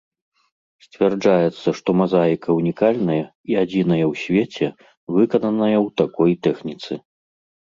Сцвярджаецца, што мазаіка ўнікальная і адзіная ў свеце, выкананая ў такой тэхніцы.